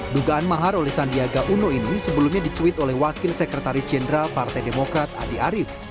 dugaan mahar oleh sandiaga uno ini sebelumnya dicuit oleh wakil sekretaris jenderal partai demokrat andi arief